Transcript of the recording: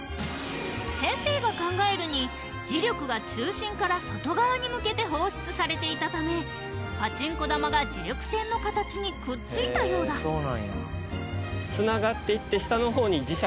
先生が考えるに磁力が中心から外側に向けて放出されていたためパチンコ玉が磁力線の形にくっついたようだＮ極Ｓ極Ｎ極Ｓ